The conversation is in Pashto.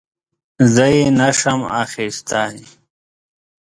زه یې نه شم اخیستی .